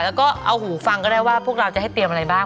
แล้วก็เอาหูฟังก็ได้ว่าพวกเราจะให้เตรียมอะไรบ้าง